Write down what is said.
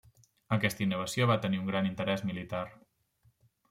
Aquesta innovació va tenir un gran interès militar.